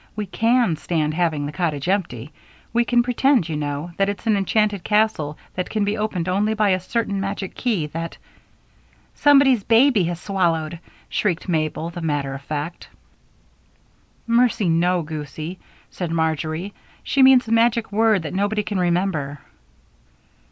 "We can stand having the cottage empty we can pretend, you know, that it's an enchanted castle that can be opened only by a certain magic key that " "Somebody's baby has swallowed," shrieked Mabel, the matter of fact. "Mercy no, goosie," said Marjory. "She means a magic word that nobody can remember."